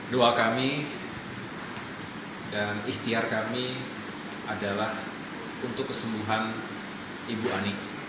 doa kami dan ikhtiar kami adalah untuk kesembuhan ibu ani